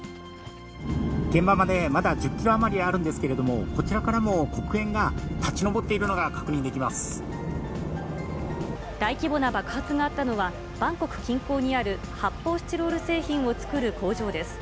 現場までまだ１０キロ余りあるんですけれども、こちらからも黒煙が立ち上っているのが確認で大規模な爆発があったのは、バンコク近郊にある発泡スチロール製品を作る工場です。